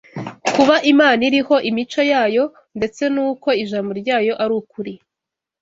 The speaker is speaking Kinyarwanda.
Kuba Imana iriho, imico yayo ndetse n’uko ijambo ryayo ari ukuri,